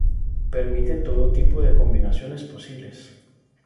Permite todo tipo de combinaciones posibles.